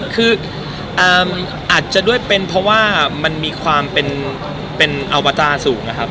คืออาจจะด้วยเป็นเพราะว่ามันมีความเป็นอวตาสูงนะครับ